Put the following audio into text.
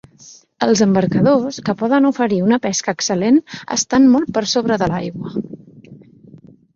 Els embarcadors, que poden oferir una pesca excel·lent, estan molt per sobre de l'aigua.